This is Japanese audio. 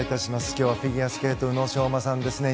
今日はフィギュアスケートの宇野昌磨さんですね。